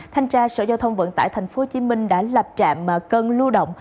thanh tra sở giao thông vận tải tp hcm đã lập trạm cân lưu động